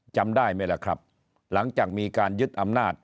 จำได้ไหมล่ะครับหลังจากมีการยึดอำนาจ